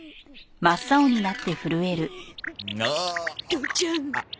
父ちゃん。